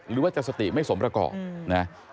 หรือว่าจะสติไม่สมระเกาะนะฮะ